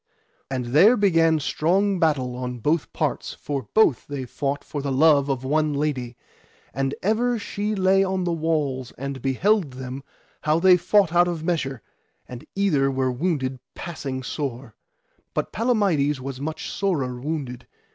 And there began strong battle on both parts, for both they fought for the love of one lady, and ever she lay on the walls and beheld them how they fought out of measure, and either were wounded passing sore, but Palamides was much sorer wounded.